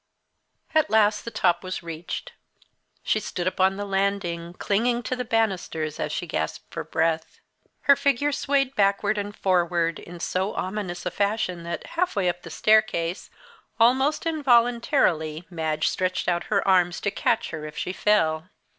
At last the top was reached. She stood upon the landing, clinging to the banisters as she gasped for breath. Her figure swayed backward and forward, in so ominous a fashion that, halfway up the staircase, almost involuntarily Madge stretched out her arms to catch her if she fell.